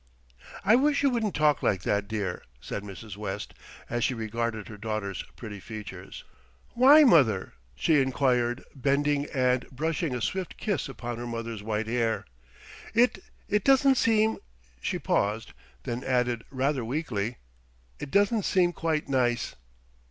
"I wish you wouldn't talk like that, dear," said Mrs. West, as she regarded her daughter's pretty features. "Why, mother?" she enquired, bending and brushing a swift kiss upon her mother's white hair. "It it doesn't seem " she paused, then added rather weakly, "it doesn't seem quite nice."